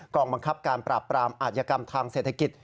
องบังคับการปราบปรามอาธิกรรมทางเศรษฐกิจ